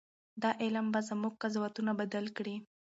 دا علم به زموږ قضاوتونه بدل کړي.